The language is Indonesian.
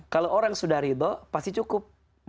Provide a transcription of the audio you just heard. kalau orang sudah ridho pasti cukup